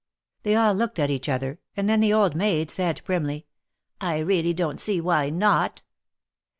They all looked at each other, and then the old maid said, primly :" I really don't see why not."